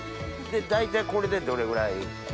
大体これでどれぐらい？